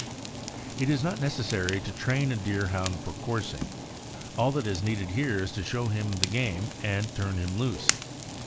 It is not necessary to train a Deerhound for coursing. All that is needed here is to show him the game and turn him loose.